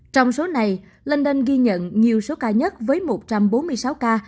trong số này lên ghi nhận nhiều số ca nhất với một trăm bốn mươi sáu ca